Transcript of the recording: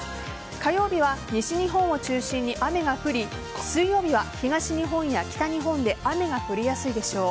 火曜日は西日本を中心に雨が降り水曜日は東日本や北日本で雨が降りやすいでしょう。